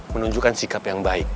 menunjukkan sikap yang baik